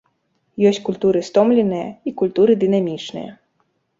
Ёсць культуры стомленыя і культуры дынамічныя.